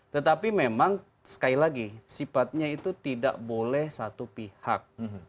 tetapi memang sekali lagi sifatnya itu tidak boleh satu pihak